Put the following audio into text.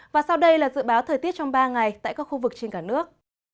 và sau đây là dự báo thời tiết trong ba ngày tại các khu vực trên cả nước